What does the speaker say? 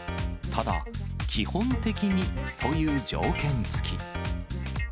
ただ、基本的にという条件付き。